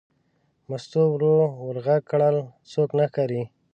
مستو ورو ور غږ کړل: څوک نه ښکاري.